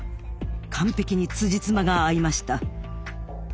完璧につじつまが合いました。